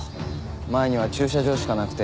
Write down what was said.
前には駐車場しかなくて。